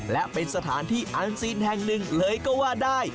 และเป็นสถานที่อันซีนแห่งหนึ่งเลยก็ว่าได้